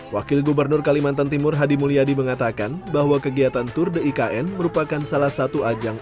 wakil gubernur kalimantan timur hadi mulyadi mengatakan bahwa kegiatan tour de ikn merupakan salah satu ajang